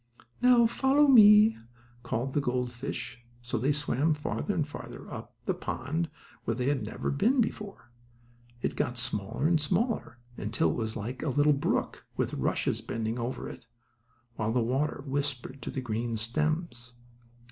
"Now, follow me," called the gold fish; so they swam farther and farther up the part of the pond where they had never before been. It got smaller and smaller, until it was like a little brook, with rushes bending over it, while the water whispered to the green stems.